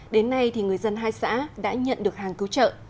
đến nay người dân hai xã đã nhận được hàng cứu trợ